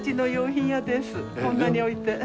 こんなに置いて。